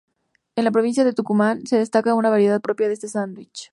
En la provincia de Tucumán se destaca una variedad propia de este sándwich.